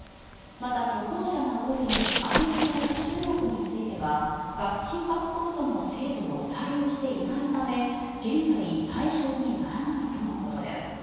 また、渡航者が多いアメリカや中国についてはワクチンパスポートの制度を採用していないため現在、対象にならないということです。